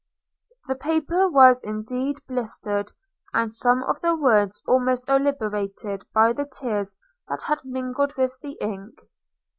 The paper was indeed blistered, and some of the words almost obliterated, by the tears that had mingled with the ink.